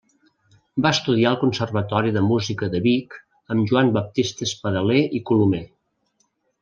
Va estudiar al conservatori de música de Vic amb Joan Baptista Espadaler i Colomer.